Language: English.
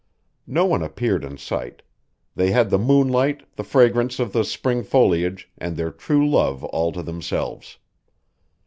No one appeared in sight; they had the moon light, the fragrance of the spring foliage, and their true love all to themselves.